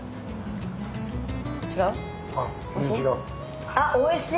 違う？